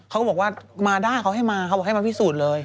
เขาก็บอกว่ามาได้เขาให้มาเขาบอกให้มาพิสูจน์เลย